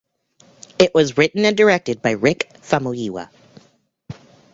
It was written and directed by Rick Famuyiwa.